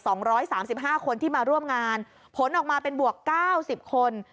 สองร้อยสามสิบห้าคนที่มาร่วมงานผลออกมาเป็นบวกเก้าสิบคน